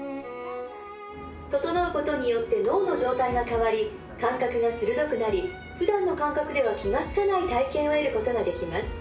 「ととのうことによって脳の状態が変わり感覚が鋭くなり普段の感覚では気がつかない体験を得ることができます」